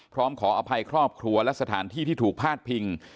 พร้อมขออภัยครอบครัวและสถานที่ที่ถูกพาดพิง